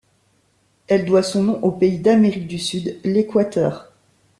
Elle doit son nom au pays d'Amérique du Sud, l'Équateur.